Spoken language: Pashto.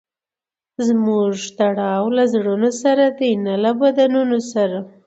زموږ تړاو له زړونو سره دئ؛ نه له بدنونو سره.